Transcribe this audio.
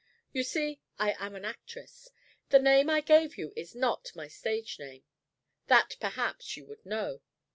You see, I am an actress. The name I gave you is not my stage name. That, perhaps, you would know.